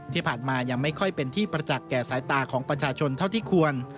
ที่ผ่านมายังไม่ค่อยเป็นที่ประจักษ์แก่สายตาของประชาชนเท่าที่ควร